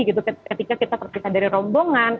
ketika kita terpisah dari rombongan